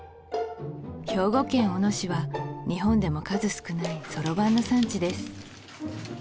兵庫県小野市は日本でも数少ないそろばんの産地です